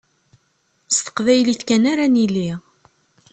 S teqbaylit kan ara nili.